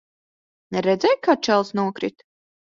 Redzēji, kā čalis nokrita?